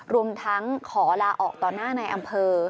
รวมทั้งขอลาออกต่อหน้าในอำเภอ